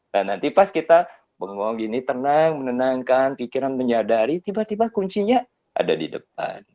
nah nanti pas kita bengong gini tenang menenangkan pikiran menyadari tiba tiba kuncinya ada di depan